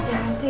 jangan sih ya